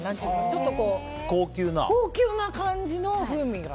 ちょっと高級な感じの風味が。